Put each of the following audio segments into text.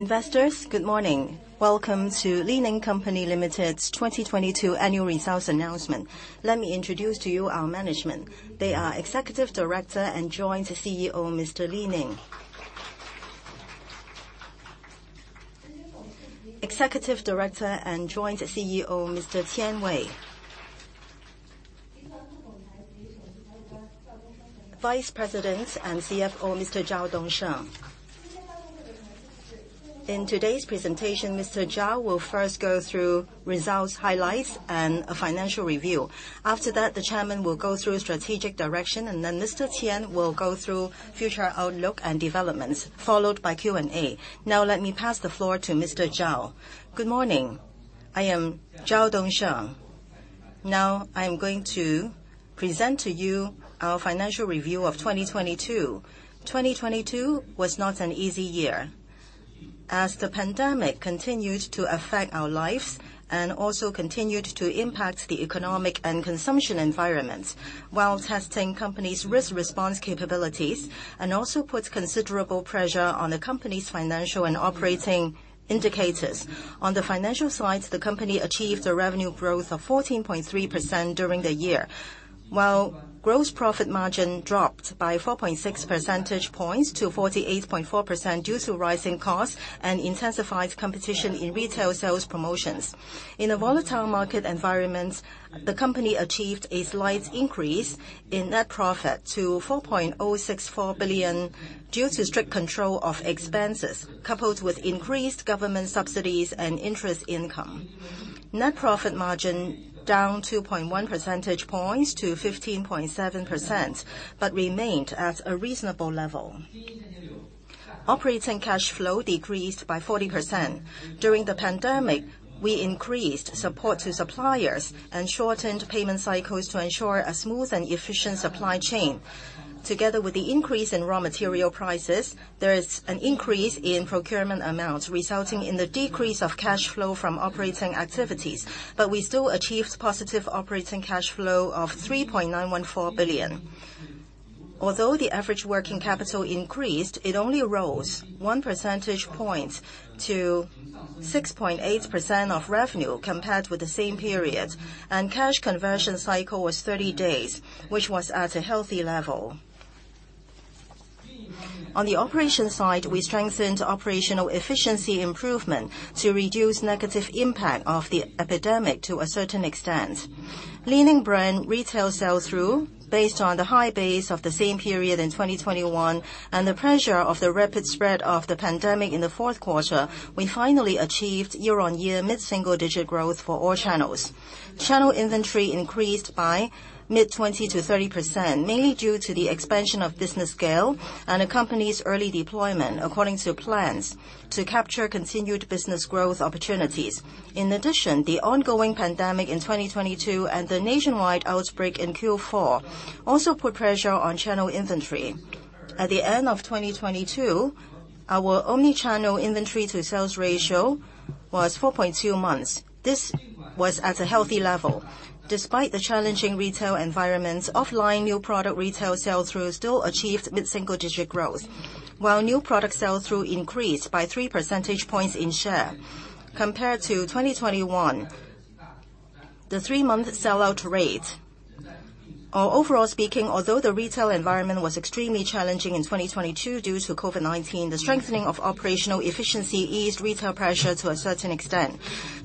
Investors, good morning. Welcome to Li Ning Company Limited's 2022 annual results announcement. Let me introduce to you, our management. They are Executive Director and Joint CEO, Mr. Li Ning. Executive Director and Joint CEO, Mr. Qian Wei. Vice President and CFO, Mr. Zhao Dongsheng. In today's presentation, Mr. Zhao will first go through results highlights and a financial review. After that, the Chairman will go through strategic direction, and then Mr. Qian will go through future outlook and developments, followed by Q&A. Now let me pass the floor to Mr. Zhao. Good morning. I am Zhao Dongsheng. Now, I'm going to present to you our financial review of 2022. 2022 was not an easy year. As the pandemic continued to affect our lives and also continued to impact the economic and consumption environments, while testing company's risk response capabilities and also put considerable pressure on the company's financial and operating indicators. On the financial side, the company achieved a revenue growth of 14.3% during the year. Gross profit margin dropped by 4.6% points to 48.4% due to rising costs and intensified competition in retail sales promotions. In a volatile market environment, the company achieved a slight increase in net profit to 4.064 billion due to strict control of expenses, coupled with increased government subsidies and interest income. Net profit margin down 2.1% points to 15.7%. Remained at a reasonable level. Operating cash flow decreased by 40%. During the pandemic, we increased support to suppliers and shortened payment cycles to ensure a smooth and efficient supply chain. Together with the increase in raw material prices, there is an increase in procurement amounts, resulting in the decrease of cash flow from operating activities. We still achieved positive operating cash flow of 3.914 billion. Although the average working capital increased, it only rose 1% point to 6.8% of revenue compared with the same period, and cash conversion cycle was 30 days, which was at a healthy level. On the operation side, we strengthened operational efficiency improvement to reduce negative impact of the epidemic to a certain extent. Li-Ning brand retail sell-through, based on the high base of the same period in 2021 and the pressure of the rapid spread of the pandemic in the fourth quarter, we finally achieved year-on-year mid-single digit growth for all channels. Channel inventory increased by mid 20%-30%, mainly due to the expansion of business scale and the company's early deployment, according to plans to capture continued business growth opportunities. The ongoing pandemic in 2022 and the nationwide outbreak in Q4 also put pressure on channel inventory. At the end of 2022, our omni-channel inventory to sales ratio was 4.2 months. This was at a healthy level. Despite the challenging retail environment, offline new product retail sell-through still achieved mid-single digit growth, while new product sell-through increased by 3% points in share. Compared to 2021, the three-month sell-out rate... Overall speaking, although the retail environment was extremely challenging in 2022 due to COVID-19, the strengthening of operational efficiency eased retail pressure to a certain extent.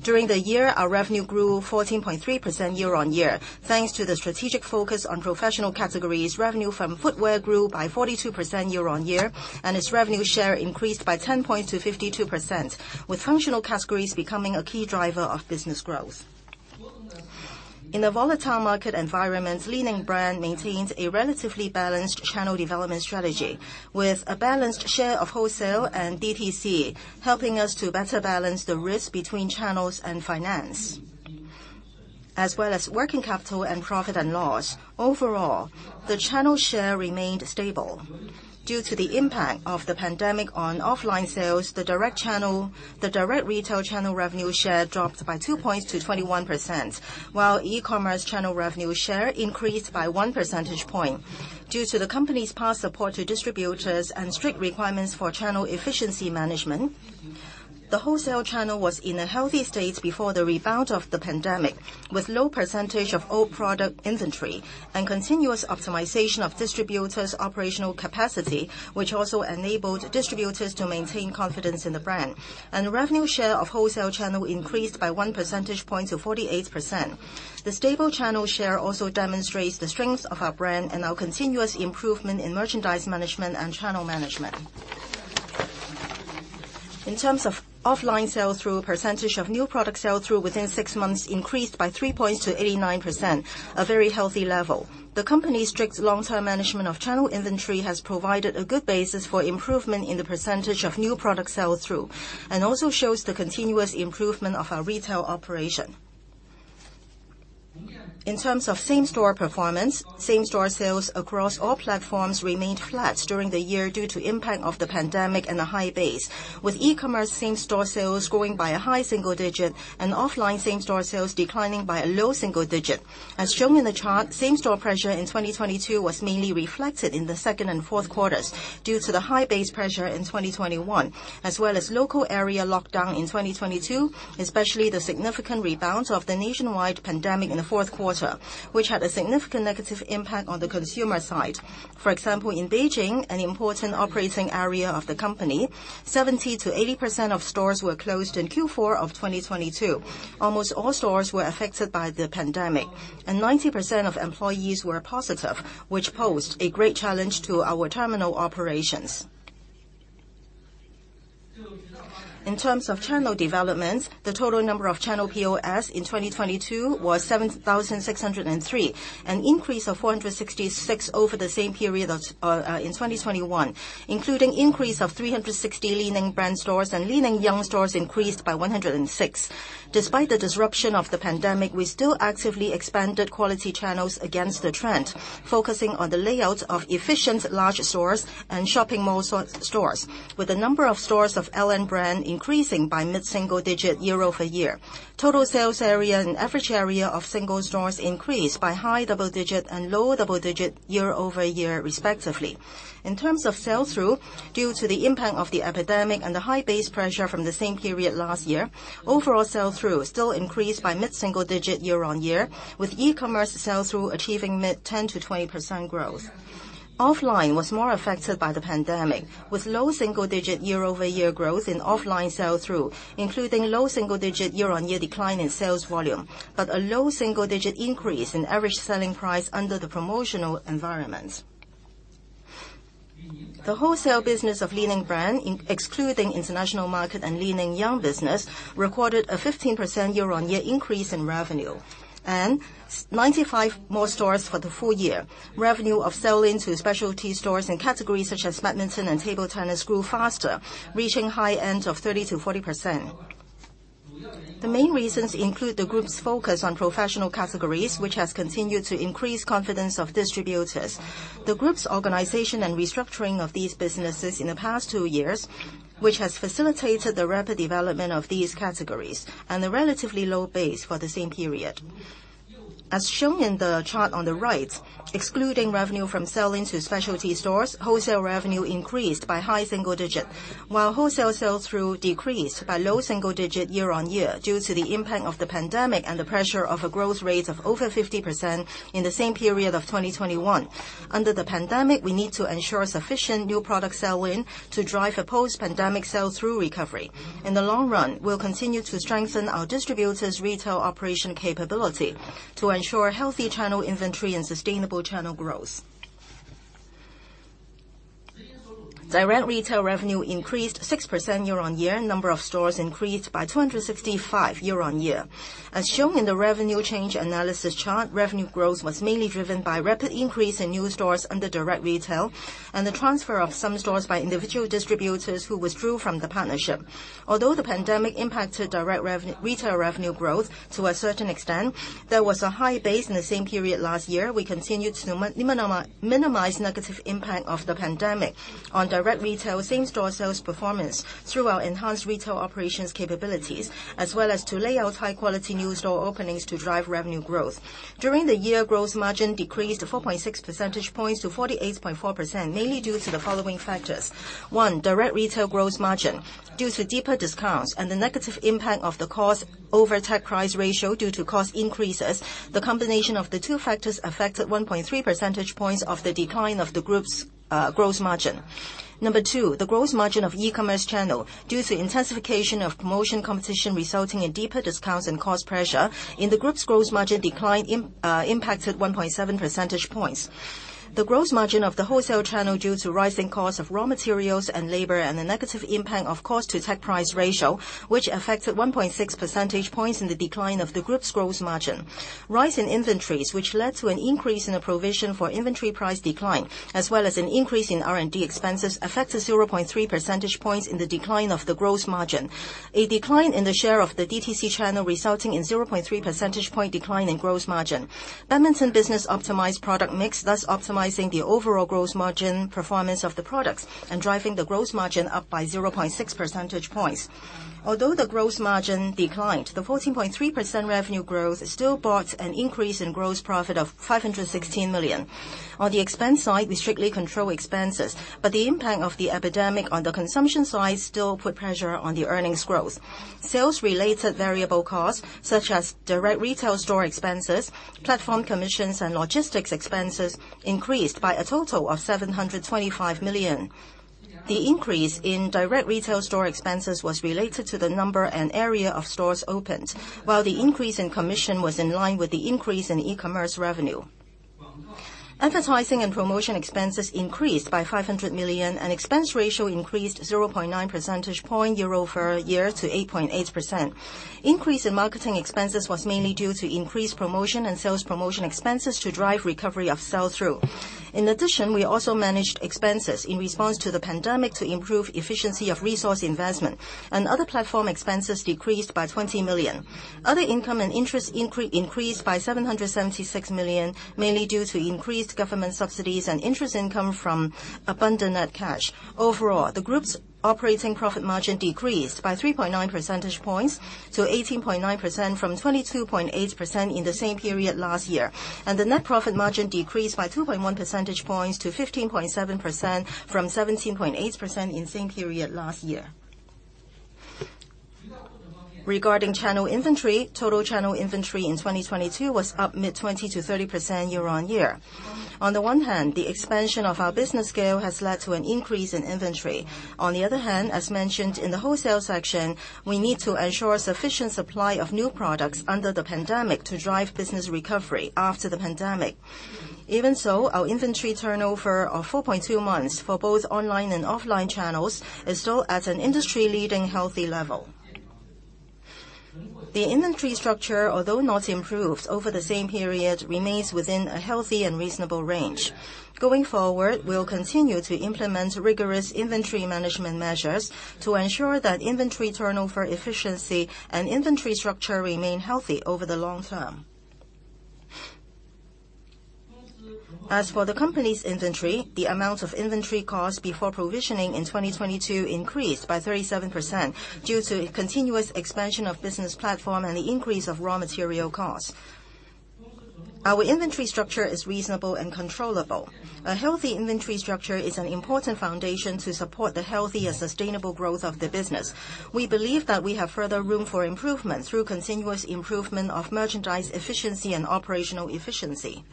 During the year, our revenue grew 14.3% year-on-year. Thanks to the strategic focus on professional categories, revenue from footwear grew by 42% year-on-year, and its revenue share increased by 10 points to 52%, with functional categories becoming a key driver of business growth. In a volatile market environment, Li-Ning brand maintains a relatively balanced channel development strategy with a balanced share of wholesale and DTC, helping us to better balance the risk between channels and finance, as well as working capital and profit and loss. Overall, the channel share remained stable. Due to the impact of the pandemic on offline sales, the direct retail channel revenue share dropped by 2 points to 21%, while e-commerce channel revenue share increased by 1% point. Due to the company's past support to distributors and strict requirements for channel efficiency management, the wholesale channel was in a healthy state before the rebound of the pandemic, with low percentage of old product inventory and continuous optimization of distributors' operational capacity, which also enabled distributors to maintain confidence in the brand. The revenue share of wholesale channel increased by 1% point to 48%. The stable channel share also demonstrates the strength of our brand and our continuous improvement in merchandise management and channel management. In terms of offline sell-through, percentage of new product sell-through within six months increased by 3 points to 89%, a very healthy level. The company's strict long-term management of channel inventory has provided a good basis for improvement in the percentage of new product sell-through, also shows the continuous improvement of our retail operation. In terms of same-store performance, same-store sales across all platforms remained flat during the year due to impact of the pandemic and a high base, with e-commerce same-store sales growing by a high single digit and offline same-store sales declining by a low single digit. As shown in the chart, same-store pressure in 2022 was mainly reflected in the second and fourth quarters due to the high base pressure in 2021, as well as local area lockdown in 2022, especially the significant rebound of the nationwide pandemic in the fourth quarter, which had a significant negative impact on the consumer side. For example, in Beijing, an important operating area of the company, 70%-80% of stores were closed in Q4 of 2022. Almost all stores were affected by the pandemic, 90% of employees were positive, which posed a great challenge to our terminal operations. In terms of channel development, the total number of channel POS in 2022 was 7,603, an increase of 466 over the same period in 2021, including increase of 360 Li-Ning brand stores and Li-Ning Young stores increased by 106. Despite the disruption of the pandemic, we still actively expanded quality channels against the trend, focusing on the layout of efficient large stores and shopping mall S-stores, with the number of stores of LN brand increasing by mid-single digit year-over-year. Total sales area and average area of single stores increased by high double-digit and low double-digit year-over-year, respectively. In terms of sell-through, due to the impact of the epidemic and the high base pressure from the same period last year, overall sell-through still increased by mid-single-digit year-on-year, with e-commerce sell-through achieving mid 10%-20% growth. Offline was more affected by the pandemic, with low single-digit year-over-year growth in offline sell-through, including low single-digit year-on-year decline in sales volume, but a low single-digit increase in average selling price under the promotional environment. The wholesale business of Li-Ning brand excluding international market and Li Ning Young business, recorded a 15% year-on-year increase in revenue and S-95 more stores for the full year. Revenue of sell-in to specialty stores and categories such as badminton and table tennis grew faster, reaching high end of 30%-40%. The main reasons include the group's focus on professional categories, which has continued to increase confidence of distributors. The group's organization and restructuring of these businesses in the past two years, which has facilitated the rapid development of these categories and the relatively low base for the same period. As shown in the chart on the right, excluding revenue from sell-in to specialty stores, wholesale revenue increased by high single digit, while wholesale sell-through decreased by low single digit year-on-year due to the impact of the pandemic and the pressure of a growth rate of over 50% in the same period of 2021. Under the pandemic, we need to ensure sufficient new product sell-in to drive a post-pandemic sell-through recovery. In the long run, we'll continue to strengthen our distributors' retail operation capability to ensure healthy channel inventory and sustainable channel growth. Direct retail revenue increased 6% year-on-year. The gross margin of the wholesale channel, due to rising cost of raw materials and labor and the negative impact of cost-to-tag-price ratio, which affected 1.6% points in the decline of the group's gross margin. Rise in inventories, which led to an increase in a provision for inventory price decline, as well as an increase in R&D expenses, affected 0.3% points in the decline of the gross margin. A decline in the share of the DTC channel resulting in 0.3% point decline in gross margin. Badminton business optimized product mix, thus optimizing the overall gross margin performance of the products and driving the gross margin up by 0.6% points. Although the gross margin declined, the 14.3% revenue growth still brought an increase in gross profit of 516 million. On the expense side, we strictly control expenses, but the impact of the epidemic on the consumption side still put pressure on the earnings growth. Sales-related variable costs, such as direct retail store expenses, platform commissions, and logistics expenses, increased by a total of 725 million. The increase in direct retail store expenses was related to the number and area of stores opened, while the increase in commission was in line with the increase in e-commerce revenue. Advertising and promotion expenses increased by 500 million. Expense ratio increased 0.9% point year-over-year to 8.8%. Increase in marketing expenses was mainly due to increased promotion and sales promotion expenses to drive recovery of sell-through. In addition, we also managed expenses in response to the pandemic to improve efficiency of resource investment and other platform expenses decreased by 20 million. Other income and interest increased by 776 million, mainly due to increased government subsidies and interest income from abundant net cash. Overall, the group's operating profit margin decreased by 3.9% points to 18.9% from 22.8% in the same period last year. The net profit margin decreased by 2.1% points to 15.7% from 17.8% in same period last year. Regarding channel inventory, total channel inventory in 2022 was up mid 20%-30% year-on-year. On the one hand, the expansion of our business scale has led to an increase in inventory. On the other hand, as mentioned in the wholesale section, we need to ensure sufficient supply of new products under the pandemic to drive business recovery after the pandemic. Even so, our inventory turnover of 4.2 months for both online and offline channels is still at an industry-leading healthy level. The inventory structure, although not improved over the same period, remains within a healthy and reasonable range. Going forward, we'll continue to implement rigorous inventory management measures to ensure that inventory turnover efficiency and inventory structure remain healthy over the long term. As for the company's inventory, the amount of inventory cost before provisioning in 2022 increased by 37% due to continuous expansion of business platform and the increase of raw material cost. Our inventory structure is reasonable and controllable. A healthy inventory structure is an important foundation to support the healthy and sustainable growth of the business. We believe that we have further room for improvement through continuous improvement of merchandise efficiency and operational efficiency.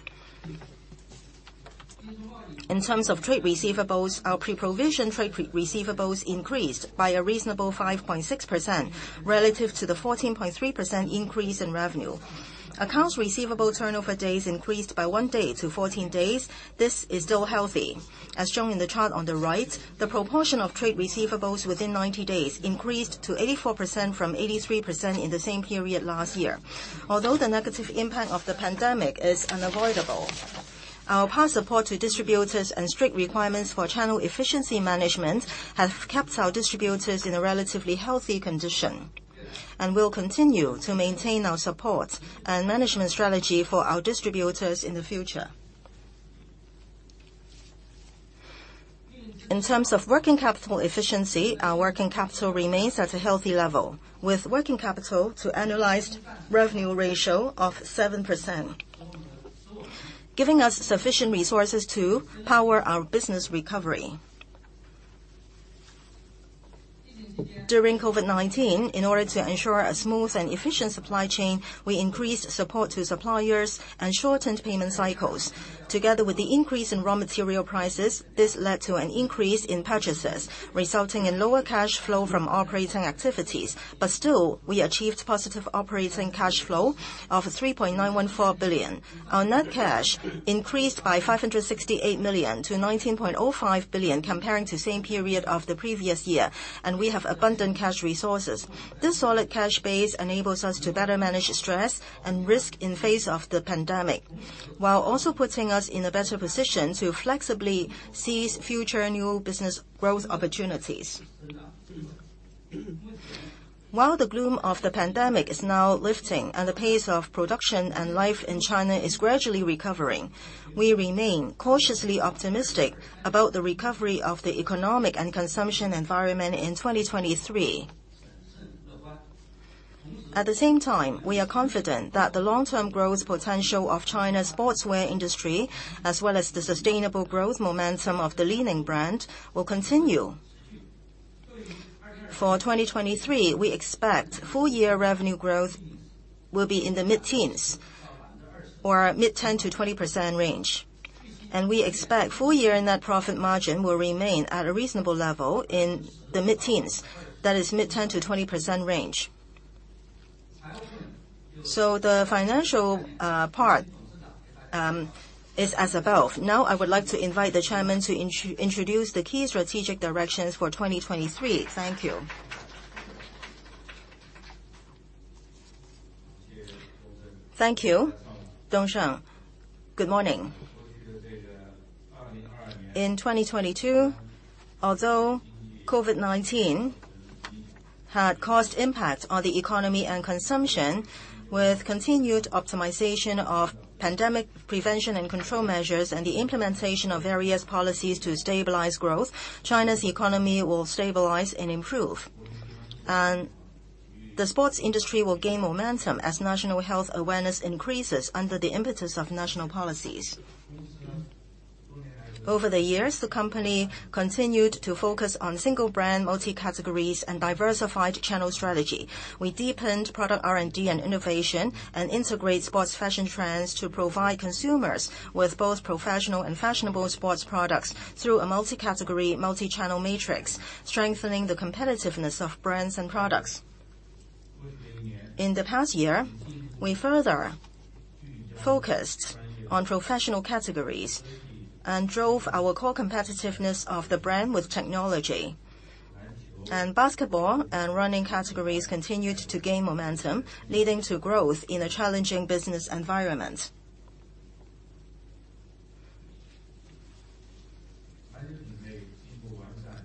In terms of trade receivables, our pre-provision trade re-receivables increased by a reasonable 5.6% relative to the 14.3% increase in revenue. Accounts receivable turnover days increased by 1 day to 14 days. This is still healthy. As shown in the chart on the right, the proportion of trade receivables within 90 days increased to 84% from 83% in the same period last year. Although the negative impact of the pandemic is unavoidable, our past support to distributors and strict requirements for channel efficiency management have kept our distributors in a relatively healthy condition. We'll continue to maintain our support and management strategy for our distributors in the future. In terms of working capital efficiency, our working capital remains at a healthy level with working capital to analyzed revenue ratio of 7%, giving us sufficient resources to power our business recovery. During COVID-19, in order to ensure a smooth and efficient supply chain, we increased support to suppliers and shortened payment cycles. Together with the increase in raw material prices, this led to an increase in purchases, resulting in lower cash flow from operating activities. Still, we achieved positive operating cash flow of 3.914 billion. Our net cash increased by 568 million to 19.05 billion, comparing to same period of the previous year, and we have abundant cash resources. This solid cash base enables us to better manage stress and risk in face of the pandemic, while also putting us in a better position to flexibly seize future new business growth opportunities. While the gloom of the pandemic is now lifting and the pace of production and life in China is gradually recovering, we remain cautiously optimistic about the recovery of the economic and consumption environment in 2023. At the same time, we are confident that the long-term growth potential of China's sportswear industry, as well as the sustainable growth momentum of the Li-Ning brand, will continue. For 2023, we expect full-year revenue growth will be in the mid-10s or mid-10%-20% range. We expect full-year net profit margin will remain at a reasonable level in the mid-10s. That is mid-10%-20% range. The financial part is as above. Now, I would like to invite the chairman to introduce the key strategic directions for 2023. Thank you. Thank you, Dong Sheng. Good morning. In 2022, although COVID-19 had caused impact on the economy and consumption, with continued optimization of pandemic prevention and control measures and the implementation of various policies to stabilize growth, China's economy will stabilize and improve. The sports industry will gain momentum as national health awareness increases under the impetus of national policies. Over the years, the company continued to focus on single brand, multi-categories, and diversified channel strategy. We deepened product R&D and innovation and integrate sports fashion trends to provide consumers with both professional and fashionable sports products through a multi-category, multi-channel matrix, strengthening the competitiveness of brands and products. In the past year, we further focused on professional categories and drove our core competitiveness of the brand with technology. Basketball and running categories continued to gain momentum, leading to growth in a challenging business environment.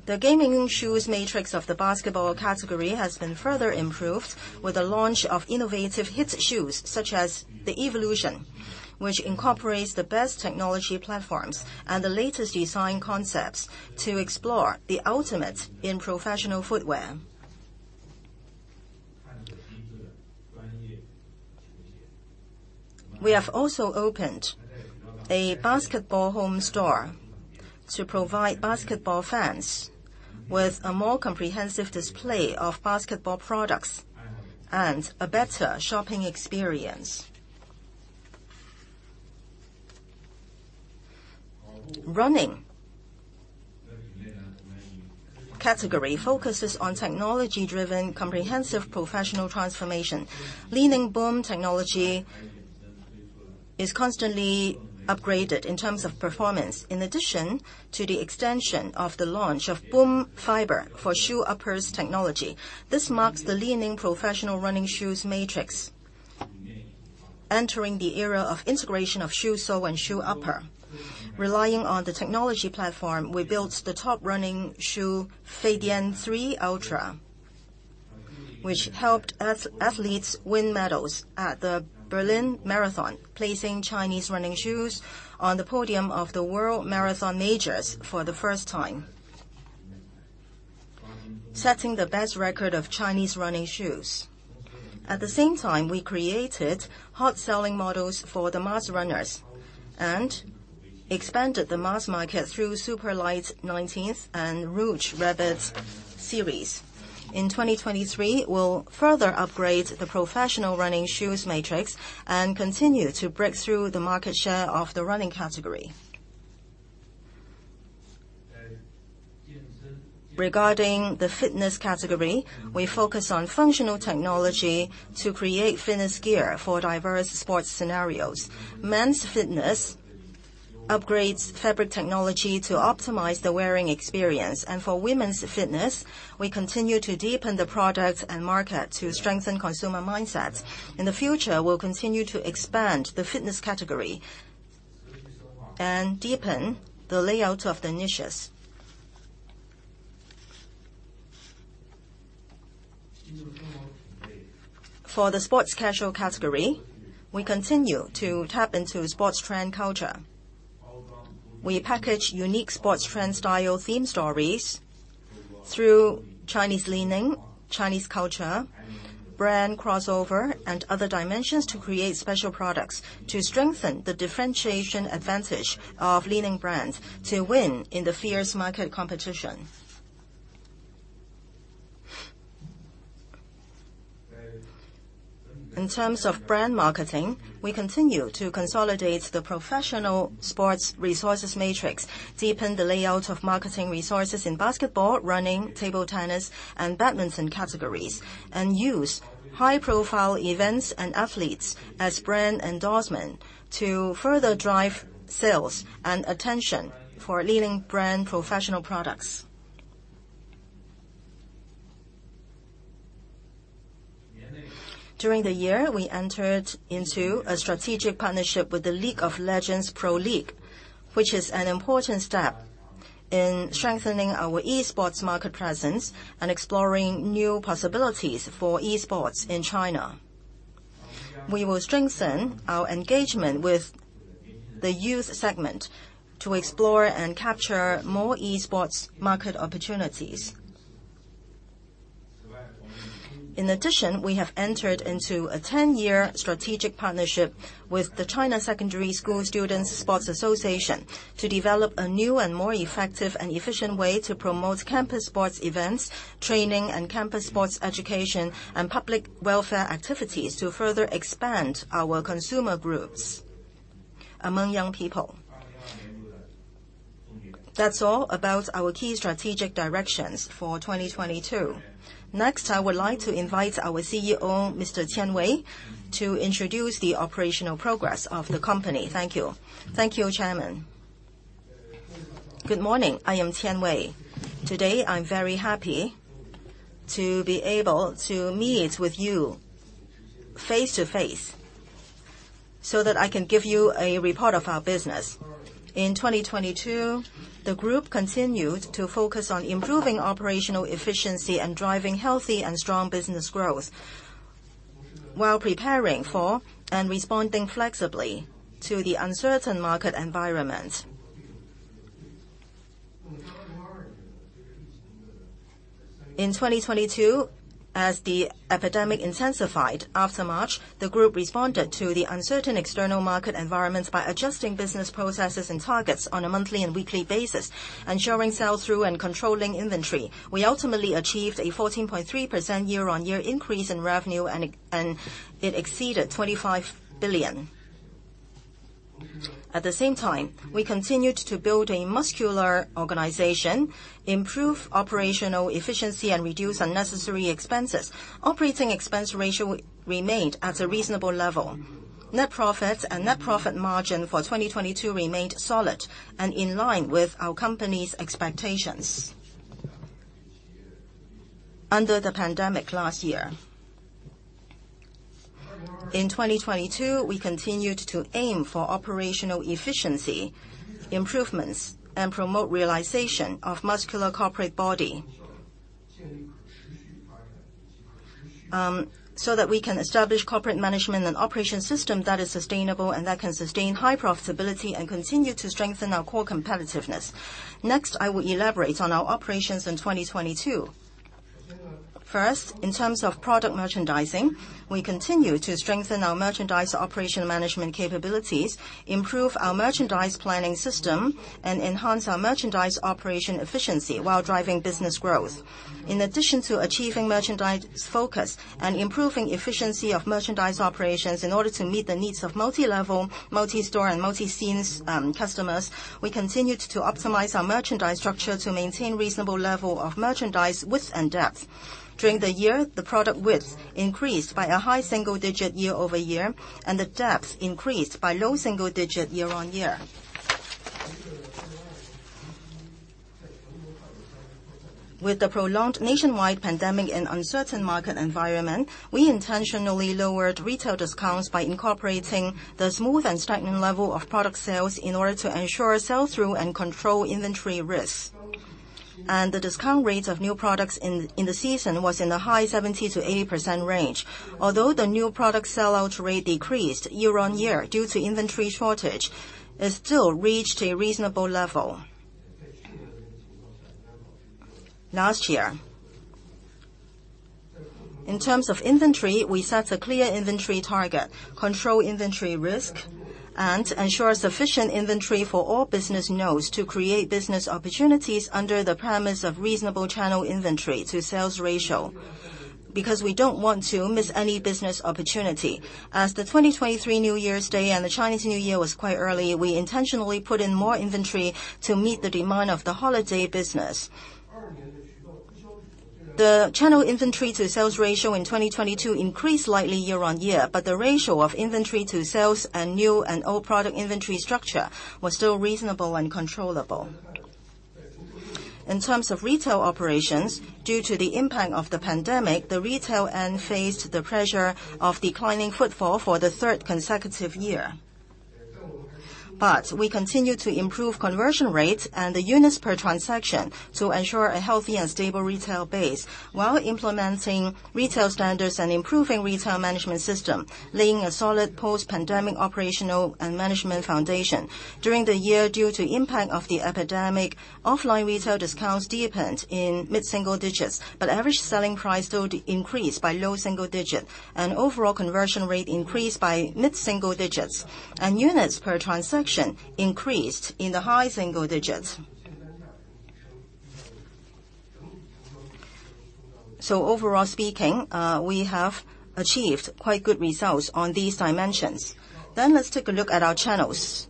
The gaming shoes matrix of the basketball category has been further improved with the launch of innovative hit shoes, such as the Evolution, which incorporates the best technology platforms and the latest design concepts to explore the ultimate in professional footwear. We have also opened a basketball home store to provide basketball fans with a more comprehensive display of basketball products and a better shopping experience. Running category focuses on technology-driven comprehensive professional transformation. LI-NING BOOM technology is constantly upgraded in terms of performance. In addition to the extension of the launch of BOOM FIBER for shoe uppers technology, this marks the Li-Ning professional running shoes matrix entering the era of integration of shoe sole and shoe upper. Relying on the technology platform, we built the top running shoe FEIDIAN 3 ULTRA, which helped athletes win medals at the Berlin Marathon, placing Chinese running shoes on the podium of the World Marathon Majors for the first time, setting the best record of Chinese running shoes. We created hot selling models for the mass runners and expanded the mass market through Super Light 19 and Rouge Rabbit series. In 2023, we'll further upgrade the professional running shoes matrix and continue to break through the market share of the running category. Regarding the fitness category, we focus on functional technology to create fitness gear for diverse sports scenarios. Men's fitness upgrades fabric technology to optimize the wearing experience. For women's fitness, we continue to deepen the product and market to strengthen consumer mindsets. In the future, we'll continue to expand the fitness category and deepen the layout of the niches. For the sports casual category, we continue to tap into sports trend culture. We package unique sports trend style theme stories through China Li-Ning, Chinese culture, brand crossover, and other dimensions to create special products to strengthen the differentiation advantage of Li-Ning brands to win in the fierce market competition. In terms of brand marketing, we continue to consolidate the professional sports resources matrix, deepen the layout of marketing resources in basketball, running, table tennis, and badminton categories, and use high-profile events and athletes as brand endorsement to further drive sales and attention for Li-Ning brand professional products. During the year, we entered into a strategic partnership with the League of Legends Pro League, which is an important step in strengthening our e-sports market presence and exploring new possibilities for e-sports in China. We will strengthen our engagement with the youth segment to explore and capture more e-sports market opportunities. In addition, we have entered into a 10-year strategic partnership with the China Secondary School Students Sports Association to develop a new and more effective and efficient way to promote campus sports events, training, and campus sports education, and public welfare activities to further expand our consumer groups among young people. That's all about our key strategic directions for 2022. Next, I would like to invite our CEO, Mr. Qian Wei, to introduce the operational progress of the company. Thank you. Thank you, Chairman. Good morning. I am Qian Wei. Today, I'm very happy to be able to meet with you face-to-face so that I can give you a report of our business. In 2022, the group continued to focus on improving operational efficiency and driving healthy and strong business growth, while preparing for and responding flexibly to the uncertain market environment. In 2022, as the epidemic intensified, after March, the group responded to the uncertain external market environments by adjusting business processes and targets on a monthly and weekly basis, ensuring sell-through and controlling inventory. We ultimately achieved a 14.3% year-on-year increase in revenue, and it exceeded 25 billion. At the same time, we continued to build a muscular organization, improve operational efficiency and reduce unnecessary expenses. Operating expense ratio remained at a reasonable level. Net profits and net profit margin for 2022 remained solid and in line with our company's expectations. Under the pandemic last year. In 2022, we continued to aim for operational efficiency improvements and promote realization of muscular corporate body. That we can establish corporate management and operation system that is sustainable and that can sustain high profitability and continue to strengthen our core competitiveness. I will elaborate on our operations in 2022. First, in terms of product merchandising, we continue to strengthen our merchandise operation management capabilities, improve our merchandise planning system, and enhance our merchandise operation efficiency while driving business growth. In addition to achieving merchandise focus and improving efficiency of merchandise operations in order to meet the needs of multi-level, multi-store and multi scenes customers, we continued to optimize our merchandise structure to maintain reasonable level of merchandise width and depth. During the year, the product width increased by a high single-digit year-over-year, and the depth increased by low single-digit year-on-year. With the prolonged nationwide pandemic and uncertain market environment, we intentionally lowered retail discounts by incorporating the smooth and stagnant level of product sales in order to ensure sell-through and control inventory risks. The discount rates of new products in the season was in the high 70%-80% range. Although the new product sellout rate decreased year-on-year due to inventory shortage, it still reached a reasonable level. Last year, in terms of inventory, we set a clear inventory target, control inventory risk and ensure sufficient inventory for all business nodes to create business opportunities under the premise of reasonable channel inventory to sales ratio. We don't want to miss any business opportunity. As the 2023 New Year's Day and the Chinese New Year was quite early, we intentionally put in more inventory to meet the demand of the holiday business. The channel inventory to sales ratio in 2022 increased slightly year-on-year, but the ratio of inventory to sales and new and old product inventory structure was still reasonable and controllable. In terms of retail operations, due to the impact of the pandemic, the retail end faced the pressure of declining footfall for the third consecutive year. We continued to improve conversion rates and the units per transaction to ensure a healthy and stable retail base while implementing retail standards and improving retail management system, laying a solid post-pandemic operational and management foundation. During the year due to impact of the epidemic, offline retail discounts deepened in mid-single digits, but average selling price still increased by low single digit and overall conversion rate increased by mid-single digits. Units per transaction increased in the high single digits. Overall speaking, we have achieved quite good results on these dimensions. Let's take a look at our channels.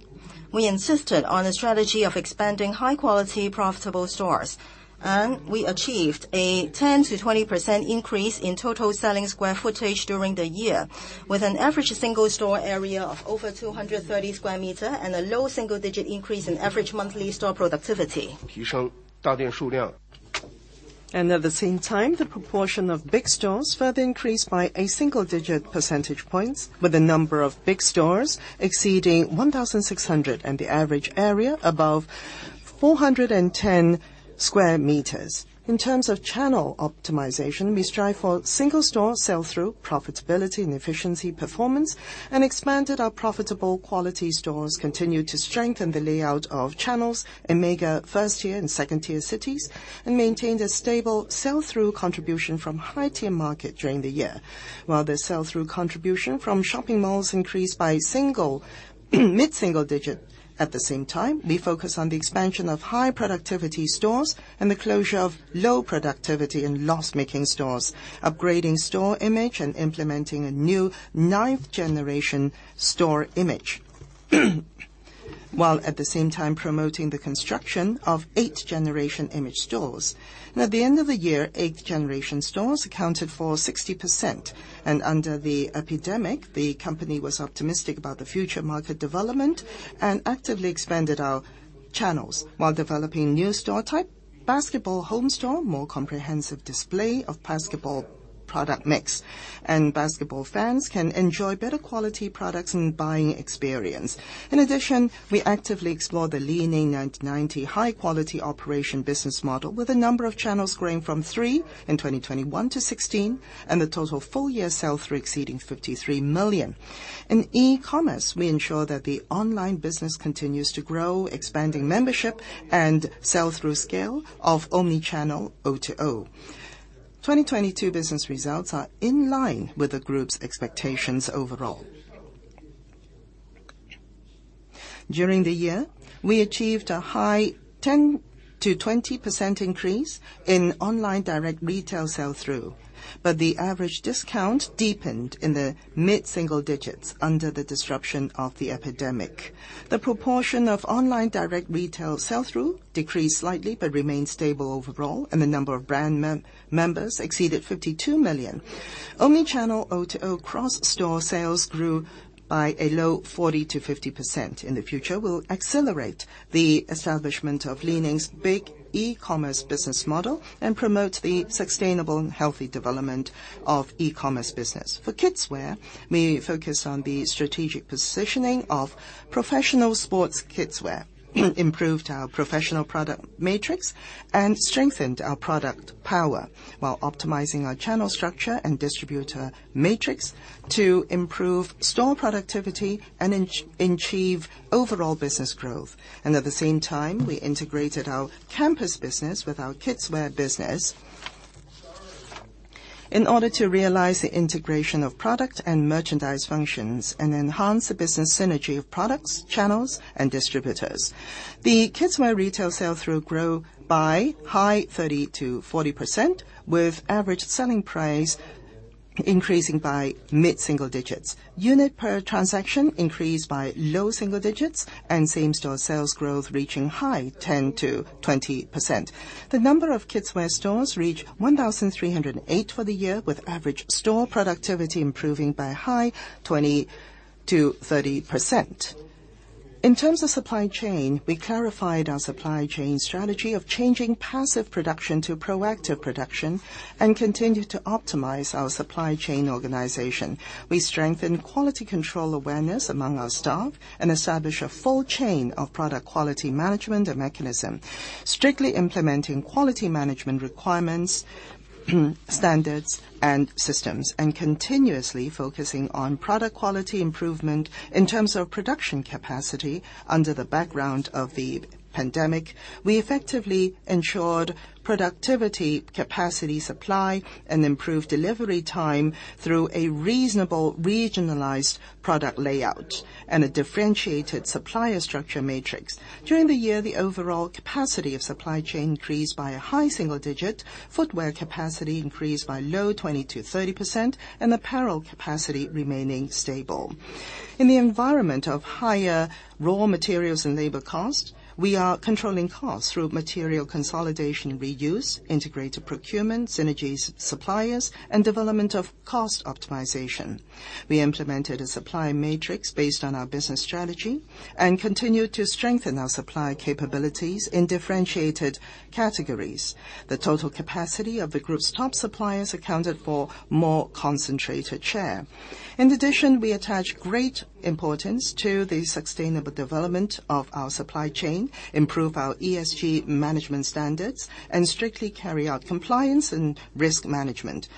We insisted on a strategy of expanding high quality profitable stores, and we achieved a 10%-20% increase in total selling square footage during the year, with an average single store area of over 230 square meters and a low single-digit increase in average monthly store productivity. At the same time, the proportion of big stores further increased by a single-digit percentage points, with the number of big stores exceeding 1,600 and the average area above 410 square meters. In terms of channel optimization, we strive for single store sell-through, profitability and efficiency performance and expanded our profitable quality stores, continued to strengthen the layout of channels in mega first-tier and second-tier cities and maintained a stable sell-through contribution from high-tier market during the year, while the sell-through contribution from shopping malls increased by mid-single digit. At the same time, we focus on the expansion of high-productivity stores and the closure of low productivity and loss-making stores, upgrading store image and implementing a new ninth-generation store image, while at the same time promoting the construction of eighth-generation image stores. Now, at the end of the year, eighth-generation stores accounted for 60%. Under the epidemic, the company was optimistic about the future market development and actively expanded our channels while developing new store type basketball home store, more comprehensive display of basketball product mix. Basketball fans can enjoy better quality products and buying experience. In addition, we actively explore the LI-NING 1990 high-quality operation business model with a number of channels growing from 3 in 2021 to 16, and the total full year sell-through exceeding 53 million. In e-commerce, we ensure that the online business continues to grow, expanding membership and sell-through scale of omni-channel O2O. 2022 business results are in line with the group's expectations overall. During the year, we achieved a high 10%-20% increase in online direct retail sell-through, but the average discount deepened in the mid-single digits under the disruption of the epidemic. The proportion of online direct retail sell-through decreased slightly but remained stable overall. The number of brand members exceeded 52 million. Omni-channel O2O cross-store sales grew by a low 40%-50%. In the future, we'll accelerate the establishment of Li-Ning's big e-commerce business model and promote the sustainable and healthy development of e-commerce business. For kidswear, we focus on the strategic positioning of professional sports kidswear, improved our professional product matrix and strengthened our product power while optimizing our channel structure and distributor matrix to improve store productivity and achieve overall business growth. At the same time, we integrated our campus business with our kidswear business in order to realize the integration of product and merchandise functions and enhance the business synergy of products, channels, and distributors. The kidswear retail sell-through grow by 30%-40%, with average selling price increasing by mid-single digits. Unit per transaction increased by low single digits and same-store sales growth reaching 10%-20%. The number of kidswear stores reached 1,308 for the year, with average store productivity improving by 20%-30%. In terms of supply chain, we clarified our supply chain strategy of changing passive production to proactive production and continued to optimize our supply chain organization. We strengthened quality control awareness among our staff and established a full chain of product quality management and mechanism. Strictly implementing quality management requirements, standards and systems, and continuously focusing on product quality improvement in terms of production capacity. Under the background of the pandemic, we effectively ensured productivity, capacity, supply and improved delivery time through a reasonable regionalized product layout and a differentiated supplier structure matrix. During the year, the overall capacity of supply chain increased by a high single digit. Footwear capacity increased by low 20%-30% and apparel capacity remaining stable. In the environment of higher raw materials and labor costs, we are controlling costs through material consolidation reuse, integrated procurement, synergies suppliers and development of cost optimization. We implemented a supply matrix based on our business strategy and continued to strengthen our supply capabilities in differentiated categories. The total capacity of the group's top suppliers accounted for more concentrated share. In addition, we attach great importance to the sustainable development of our supply chain, improve our ESG management standards, and strictly carry out compliance and risk management.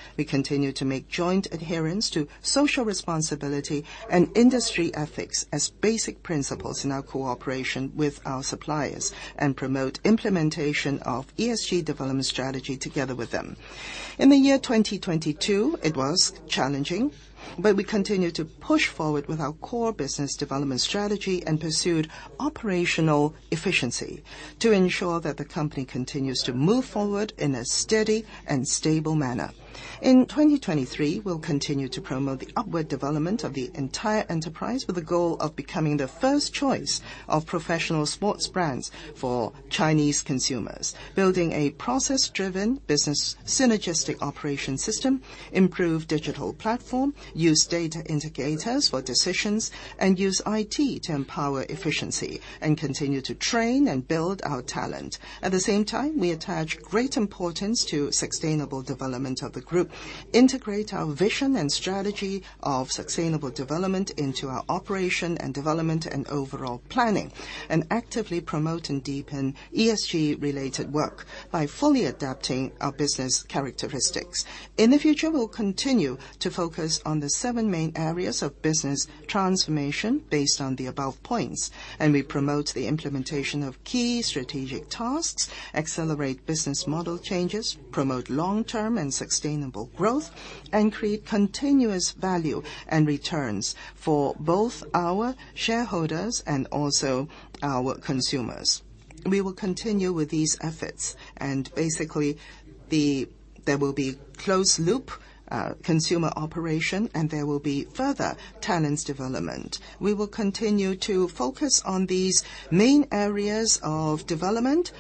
In 2023, we'll continue to promote the upward development of the entire enterprise with the goal of becoming the first choice of professional sports brands for Chinese consumers. Building a process-driven business synergistic operation system, improve digital platform, use data indicators for decisions, and use IT to empower efficiency and continue to train and build our talent. At the same time, we attach great importance to sustainable development of the group, integrate our vision and strategy of sustainable development into our operation and development and overall planning, and actively promote and deepen ESG-related work by fully adapting our business characteristics. In the future, we'll continue to focus on the seven main areas of business transformation based on the above points. We promote the implementation of key strategic tasks, accelerate business model changes, promote long-term and sustainable growth, and create continuous value and returns for both our shareholders and also our consumers. We will continue with these efforts. Basically there will be closed loop consumer operation and there will be further talents development. We will continue to focus on these main areas of development,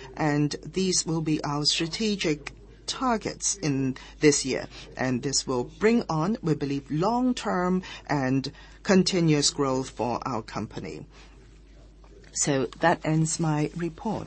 these will be our strategic targets in this year. This will bring on, we believe, long-term and continuous growth for our company. That ends my report.